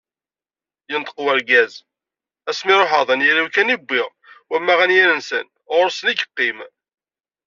Yenṭeq urgaz: “ Asmi ruḥeɣ, d anyir-iw kan i uwiɣ, wamma anyir-nsen ɣur-sen i yeqqim."